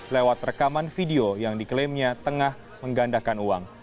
lewat rekaman video yang diklaimnya tengah menggandakan uang